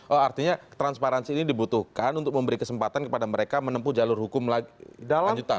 oh artinya transparansi ini dibutuhkan untuk memberi kesempatan kepada mereka menempuh jalur hukum lanjutan